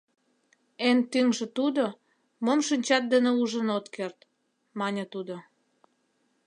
— Эн тӱҥжӧ тудо, мом шинчат дене ужын от керт… — мане тудо.